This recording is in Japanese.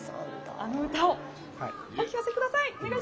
あの歌をお聴かせください